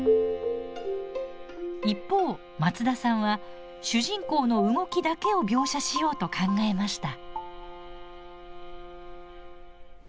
一方松田さんは主人公の動きだけを描写しようと考えました。